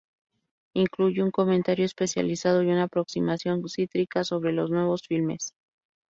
Incluye un comentario especializado y una aproximación crítica sobre los nuevos filmes.